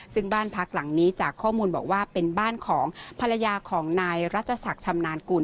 ซึ่งบ้านพักหลังนี้จากข้อมูลบอกว่าเป็นบ้านของภรรยาของนายรัชศักดิ์ชำนาญกุล